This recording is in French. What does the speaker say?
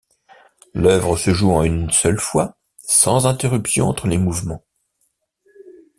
L'œuvre se joue en une seule fois, sans interruption entre les mouvements.